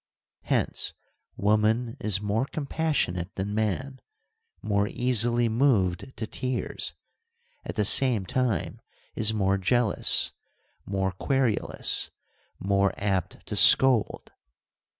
Hence woman is more compassionate than man, more easily moved to tears, at the same time is more jealous, more querulous, more apt to scold.